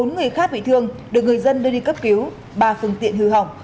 bốn người khác bị thương được người dân đưa đi cấp cứu ba phương tiện hư hỏng